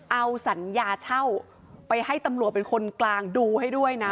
เอาสัญญาเช่าไปให้ตำรวจเป็นคนกลางดูให้ด้วยนะ